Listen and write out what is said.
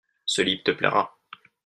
Ce livre te plaira.